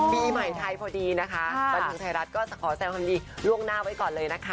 ปีใหม่ไทยพอดีประดูกชายรัฐก็ขอแสดงความดีล่วงหน้าไว้ก่อนเลยนะคะ